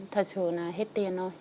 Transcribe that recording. thật sự là hết tiền rồi